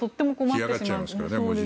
干上がっちゃいますね。